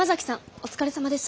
お疲れさまです。